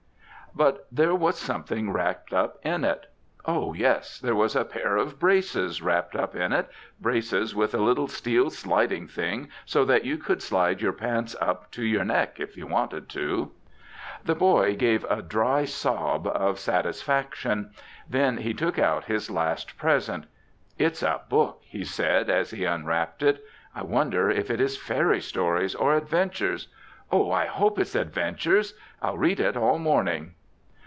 But there was something wrapped up in it. Oh, yes! There was a pair of braces wrapped up in it, braces with a little steel sliding thing so that you could slide your pants up to your neck, if you wanted to. The boy gave a dry sob of satisfaction. Then he took out his last present. "It's a book," he said, as he unwrapped it. "I wonder if it is fairy stories or adventures. Oh, I hope it's adventures! I'll read it all morning."